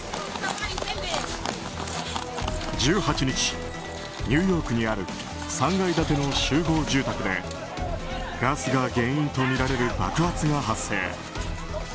１８日、ニューヨークにある３階建ての集合住宅でガスが原因とみられる爆発が発生。